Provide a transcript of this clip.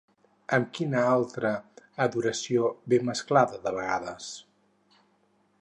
Amb quina altra adoració ve mesclada de vegades?